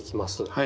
はい。